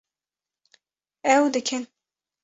Ew dikin